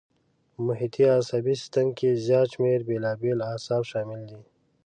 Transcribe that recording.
په محیطي عصبي سیستم کې زیات شمېر بېلابېل اعصاب شامل دي.